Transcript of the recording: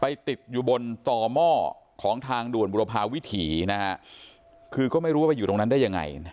ติดอยู่บนต่อหม้อของทางด่วนบุรพาวิถีนะฮะคือก็ไม่รู้ว่าไปอยู่ตรงนั้นได้ยังไง